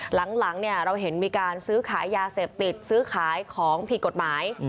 หลังเราเห็นมีการซื้อขายยาเสพติดซื้อขายของผิดกฎหมาย